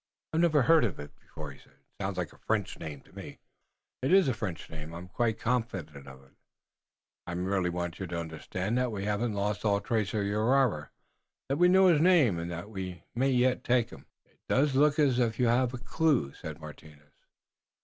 "I never heard it before," he said. "It sounds like a French name." "It is a French name. I'm quite confident of it. I merely wanted you to understand that we haven't lost all trace of your robber, that we know his name, and that we may yet take him." "It does look as if you had a clew," said Martinus.